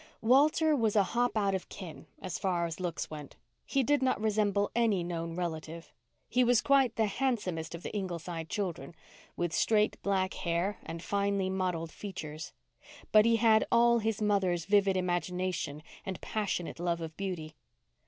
Walter was a "hop out of kin," as far as looks went. He did not resemble any known relative. He was quite the handsomest of the Ingleside children, with straight black hair and finely modelled features. But he had all his mother's vivid imagination and passionate love of beauty.